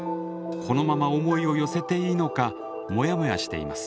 このまま思いを寄せていいのかモヤモヤしています。